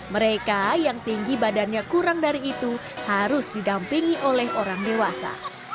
mereka yang tinggi badannya kurang dari itu harus didampingi oleh orang dewasa